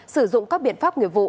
sử dụng các biện pháp nghiệp vụ